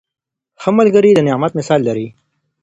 ښه ملګری د نعمت مثال لري.